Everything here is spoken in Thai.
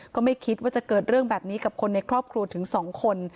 ก็ไม่คิดว่าจะเกิดเรื่องแบบนี้กับคนในครอบครัวถึง๒คน